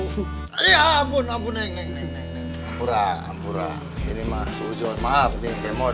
iya ampun ampun neng ampura ampura ini mah uzon maaf nih kemot